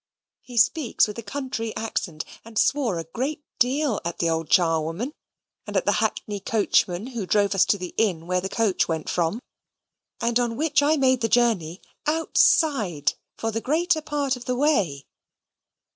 He speaks with a country accent, and swore a great deal at the old charwoman, at the hackney coachman who drove us to the inn where the coach went from, and on which I made the journey OUTSIDE FOR THE GREATER PART OF THE WAY.